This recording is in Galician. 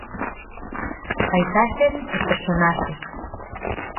Paisaxes e personaxes.